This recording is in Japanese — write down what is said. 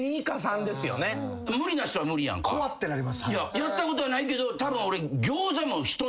やったことはないけどたぶん俺。